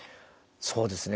そうですね。